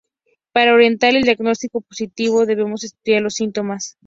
Para orientar el diagnóstico positivo debemos estudiar los síntomas.